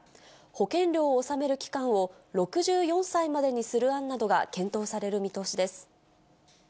保険料を納める期間を６４歳までにする案などが検討される見通しです。